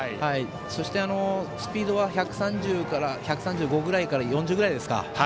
そしてスピードは１３５くらいから１４０ぐらいですか。